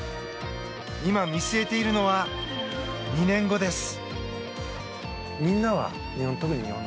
今、見据えているのは２年後です。